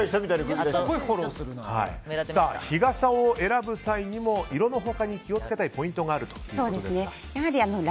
日傘を選ぶ際にも色の他に気を付けたいポイントがあるということですが。